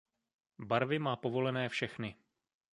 Barvy má povolené všechny.